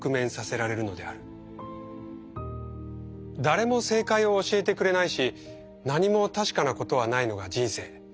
誰も正解を教えてくれないし何も確かなことはないのが人生。